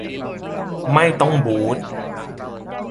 ไม่ต้องบู๊ท